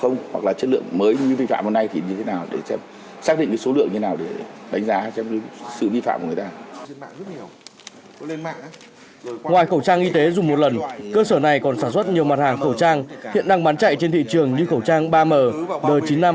ngoài khẩu trang y tế dùng một lần cơ sở này còn sản xuất nhiều mặt hàng khẩu trang hiện đang bán chạy trên thị trường như khẩu trang ba m n chín mươi năm